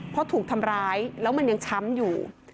เพราะถูกทำร้ายแล้วมันยังช้ำอยู่